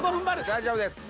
大丈夫です。